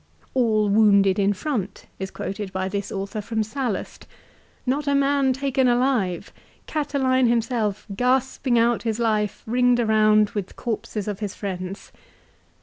"All wounded in front," is quoted by this author from Sallust. " Not a man taken alive ! Catiline himself gasping out his life ringed around with corpses of his friends."